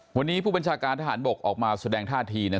วันนี้ผู้บัญชาการทหารบกออกมาแสดงท่าที